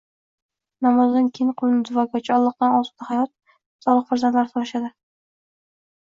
Namozdan keyin qo‘lni duoga ochib, Allohdan osuda hayot, solih farzandlar so‘rashadi.